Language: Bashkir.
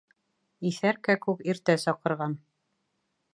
Иҫәр кәкүк иртә саҡырған.